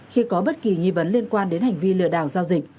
khi có bất kỳ nghi vấn liên quan đến hành vi lừa đảo giao dịch